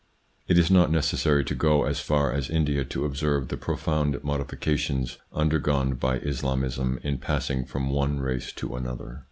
It is not necessary to go as far as India to observe the profound modifications undergone by Islamism in passing from one race to another.